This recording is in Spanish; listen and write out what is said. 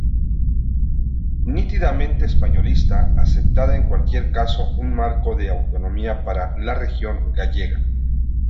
Nítidamente españolista, aceptaba en cualquier caso un marco de autonomía para la región gallega.